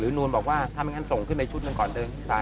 หรือนุนบอกว่าถ้าไม่งั้นส่งขึ้นในชุดหนึ่งก่อนดึง